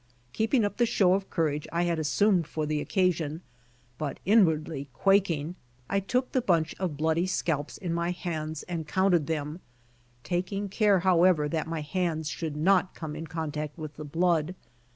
Keeping up the show of courage I had assumed for the occasion, but inwardly quaking, I took the bunch of bloody scalps in my hands and counted theml, tak ing care, however, that my hands should not come in contact with the blood.